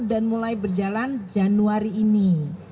dan mulai berjalan januari ini